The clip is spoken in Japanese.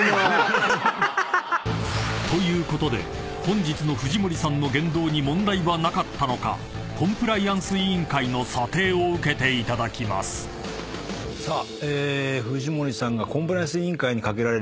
［ということで本日の藤森さんの言動に問題はなかったのかコンプライアンス委員会の査定を受けていただきます］さあ。